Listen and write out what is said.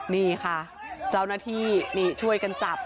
นี่ค่ะเจ้าหน้าที่นี่ช่วยกันจับ